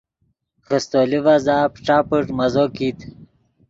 خیستو لیڤزا پݯا پݯ مزو کیت